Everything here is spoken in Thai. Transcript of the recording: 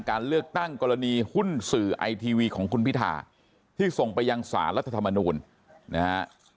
การเลือกตั้งกรณีหุ้นสื่อไอทีวีของคุณพิธาที่ส่งไปยังสารรัฐธรรมนูลนะฮะ